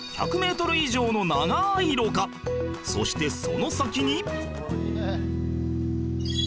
そしてその先に